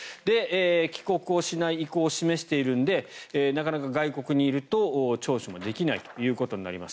帰国をしない意向を示しているのでなかなか外国にいると聴取もできないということになります。